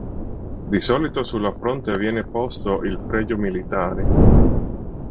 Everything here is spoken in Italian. Di solito sulla fronte viene posto il fregio militare.